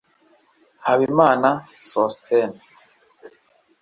Habimana Sosthene